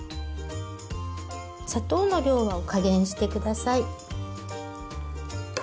砂糖の量は加減して下さい。